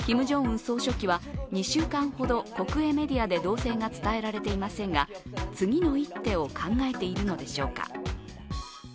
総書記は２週間ほど国営メディアで動静が伝えられていませんが、次の一手を考えているのでしょうか。